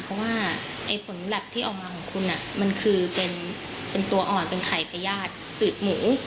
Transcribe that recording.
เพราะว่าไอ้ผลแลปที่ออกมาของคุณมันคือเป็นตัวอ่อนเป็นไข่พญาติตืดหมู